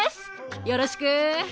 よろしく。